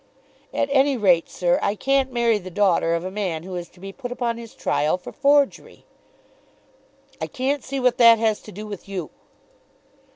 "At any rate, sir, I can't marry the daughter of a man who is to be put upon his trial for forgery." "I can't see what that has to do with you."